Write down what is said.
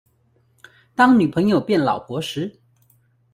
當女朋友變老婆時